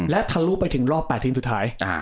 และทะลุไปถึงรอบ๘ทีมสุดท้าย